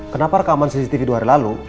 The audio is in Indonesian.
kenapa rekaman cctv dua hari lalu